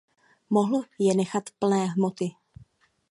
Mohl je nechat plné hmoty.